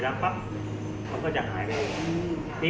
มันประกอบกันแต่ว่าอย่างนี้แห่งที่